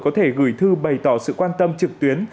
có thể gửi thư bày tỏ sự quan tâm trực tuyến